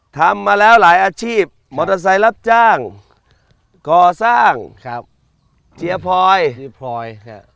ทำมาแล้วหลายอาชีพมอเตอร์ไซต์รับจ้างก่อสร้างเจียพลอย